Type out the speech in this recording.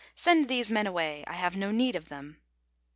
Send these men away. I have no need of them."